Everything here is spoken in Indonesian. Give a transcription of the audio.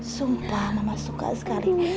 sumpah mama suka sekali